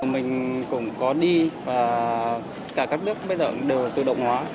mình cũng có đi và cả các nước bây giờ đều là tự động hóa